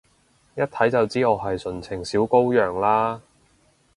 一睇就知我係純情小羔羊啦？